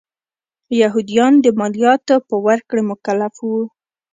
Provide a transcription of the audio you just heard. یهودیان د مالیاتو په ورکړې مکلف و.